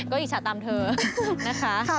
ก็อิจฉาตามเธอนะคะ